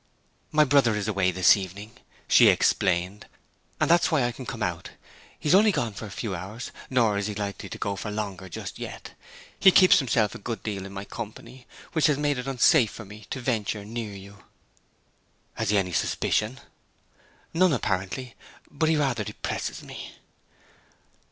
'My brother is away this evening,' she explained, 'and that's why I can come out. He is only gone for a few hours, nor is he likely to go for longer just yet. He keeps himself a good deal in my company, which has made it unsafe for me to venture near you.' 'Has he any suspicion?' 'None, apparently. But he rather depresses me.'